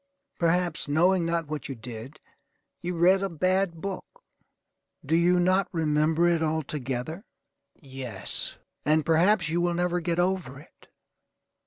Perhaps, knowing not what you did, you read a bad book. Do you not remember it altogether? Yes; and perhaps you will never get over it.